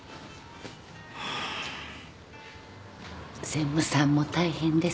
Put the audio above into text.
専務さんも大変ですね。